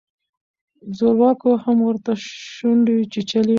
زورواکو هم ورته شونډې چیچلې.